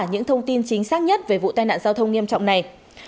những thông tin chính xác nhất về vụ tai nạn giao thông nghiêm trọng này